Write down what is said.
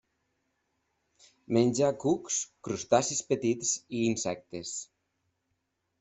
Menja cucs, crustacis petits i insectes.